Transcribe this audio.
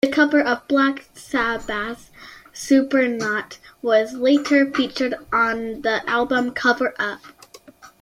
The cover of Black Sabbath's "Supernaut" was later featured on the album "Cover Up".